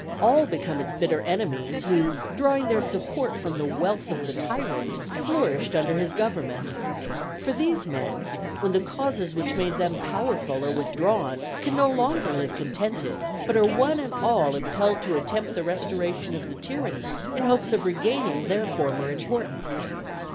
All become its bitter enemies who, drawing their support from the wealth of the tyrant, flourished under his government. For these men, when the causes which made them powerful are withdrawn, can no longer live contented, but are one and all impelled to attempt the restoration of the tyranny in hopes of regaining their former importance.